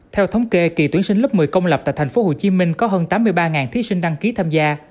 theo thống kê kỳ tuyển sinh lớp một mươi công lập tại thành phố hồ chí minh có hơn tám mươi ba thí sinh đăng ký tham gia